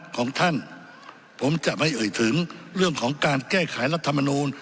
ของท่านผมจะไปเอ่ยถึงเรื่องของการแก้ไขรัฐมนูล